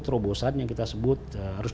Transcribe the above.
terobosan yang kita sebut harus